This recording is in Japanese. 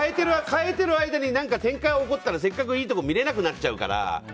替えてる間に展開が起こったらせっかくのいいところが見えなくなっちゃうから。